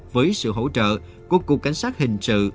với sự hỗ trợ của cục cảnh sát hình sự